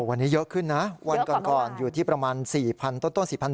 วันนี้เยอะขึ้นนะวันก่อนอยู่ที่ประมาณ๔๐๐ต้น